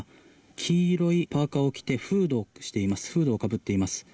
黄色いパーカを着てフードをかぶっています。